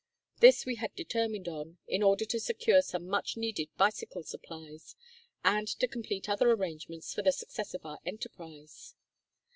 This we had determined on, in order to secure some much needed bicycle supplies, and to complete other arrangements for the success of our enterprise.